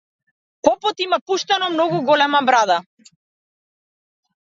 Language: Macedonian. Попот има пуштено многу голема брада.